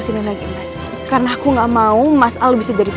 jadi minta aku minta tolong sama kamu ya mas